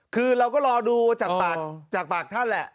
คือเราก็รอดูจากปากท่านแหละ